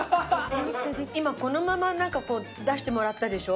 今このまま出してもらったでしょ。